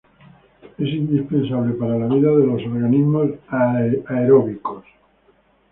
Es indispensable para la vida de los organismos aeróbicos.